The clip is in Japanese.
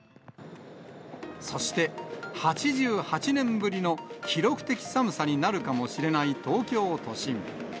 そして、８８年ぶりの記録的寒さになるかもしれない東京都心。